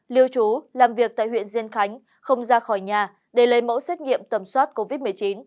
lưu trú làm việc tại huyện diên khánh không ra khỏi nhà để lấy mẫu xét nghiệm tầm soát covid một mươi chín